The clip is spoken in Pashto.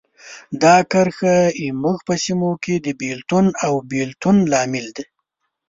دا کرښه زموږ په سیمو کې د بېلتون او بیلتون لامل ده.